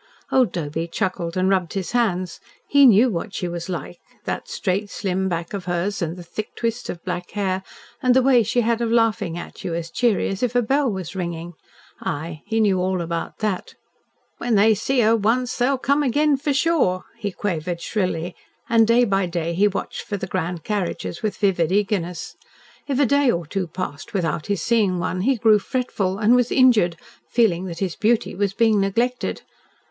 Old Doby chuckled and rubbed his hands. He knew what she was like. That straight, slim back of hers, and the thick twist of black hair, and the way she had of laughing at you, as cheery as if a bell was ringing. Aye, he knew all about that. "When they see her once, they'll come agen, for sure," he quavered shrilly, and day by day he watched for the grand carriages with vivid eagerness. If a day or two passed without his seeing one, he grew fretful, and was injured, feeling that his beauty was being neglected!